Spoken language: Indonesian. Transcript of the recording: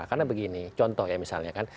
karena begini contoh ya misalnya kan